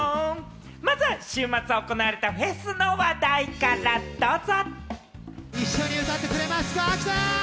まずは週末行われたフェスの話題からどうぞ。